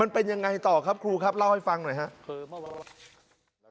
มันเป็นยังไงต่อครับครูครับเล่าให้ฟังหน่อยครับ